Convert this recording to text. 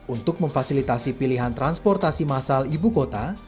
untuk memfasilitasi pilihan transportasi masal ibu kota